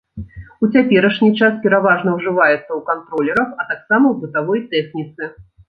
У цяперашні час пераважна ўжываецца ў кантролерах, а таксама ў бытавой тэхніцы.